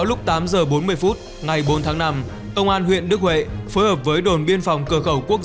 lúc tám giờ bốn mươi phút ngày bốn tháng năm công an huyện đức huệ phối hợp với đồn biên phòng cửa khẩu quốc